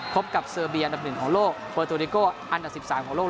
พบกับเซอร์เบียอันดับหนึ่งของโลกเฟอร์โตเดโก้อันดับ๑๓ของโลก